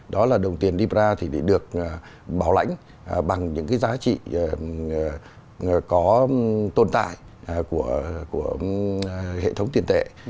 đó là đồng tiền libra được bảo lãnh bằng những giá trị có tồn tại của hệ thống tiền tệ